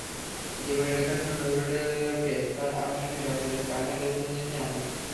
জীবনী লেখার জন্য নজরুলকে তাঁর আকর্ষণীয় ব্যক্তিত্বের কারণেই বেছে নিয়েছি আমি।